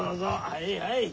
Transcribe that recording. はいはい。